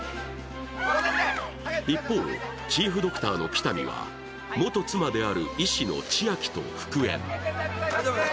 一方、チーフドクターの喜多見は元妻である、医師の千晶と復縁。